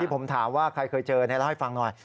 ผมถามว่าใครเคยเจอเล่าให้ฟังหน่อย